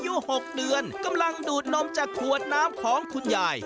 อายุ๖เดือนกำลังดูดนมจากขวดน้ำของคุณยาย